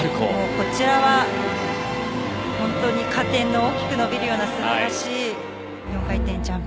こちらは本当に加点の大きく伸びるような素晴らしい４回転ジャンプ。